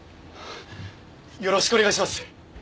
よろしくお願いします！